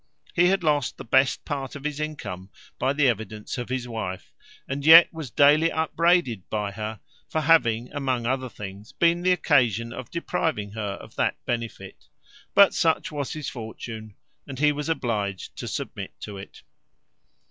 He had lost the best part of his income by the evidence of his wife, and yet was daily upbraided by her for having, among other things, been the occasion of depriving her of that benefit; but such was his fortune, and he was obliged to submit to it.